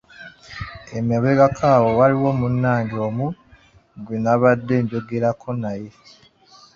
Emabegako awo waliwo munnange omu gwe nabadde njogerako naye.